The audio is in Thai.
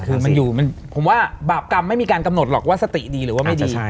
คือมันอยู่ผมว่าบาปกรรมไม่มีการกำหนดหรอกว่าสติดีหรือว่าไม่ดี